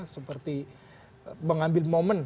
seperti mengambil momen